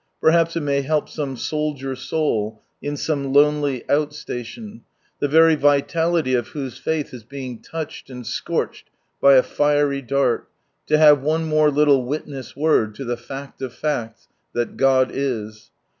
Perhaps it may help some soldier soul in some lonely out slaiion, the very vitality of whose faith is being touched and scorched by a fiery dart, to have one more little witness word to the fact of facts that God is.